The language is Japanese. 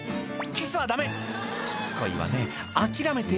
「キスはダメ！」